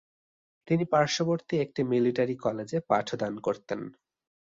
তিনি পার্শ্ববর্তী একটি মিলিটারী কলেজে পাঠদান করতেন।